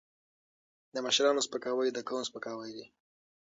د مشرانو سپکاوی د قوم سپکاوی دی.